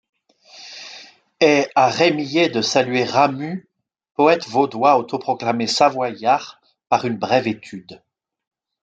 Et à Rey-Millet de saluer Ramuz, poète vaudois autoproclamé Savoyard, par une brève étude.